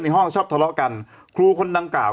ห้องชอบทะเลาะกันครูคนดังกล่าว